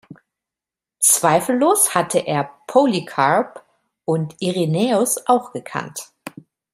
Zweifellos hatte er Polycarp und Irenäus auch gekannt.